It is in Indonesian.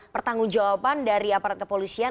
pertanggung jawaban dari aparat kepolisian